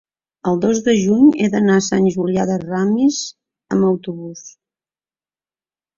el dos de juny he d'anar a Sant Julià de Ramis amb autobús.